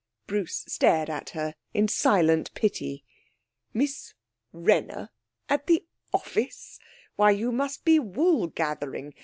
Bruce stared at her in silent pity. 'Miss Wrenner! At the office! Why you must be wool gathering!